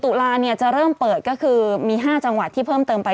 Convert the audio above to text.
ตุลาเนี่ยจะเริ่มเปิดก็คือมี๕จังหวัดที่เพิ่มเติมไป